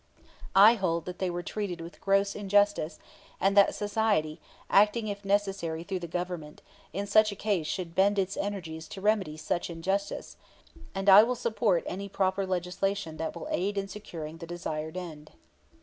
I hold that they were treated with gross injustice; and that society, acting if necessary through the Government, in such a case should bend its energies to remedy such injustice; and I will support any proper legislation that will aid in securing the desired end.